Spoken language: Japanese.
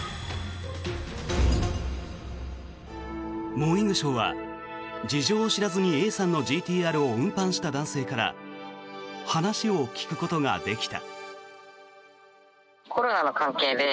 「モーニングショー」は事情を知らずにＡさんのＧＴ−Ｒを運搬した男性から話を聞くことができた。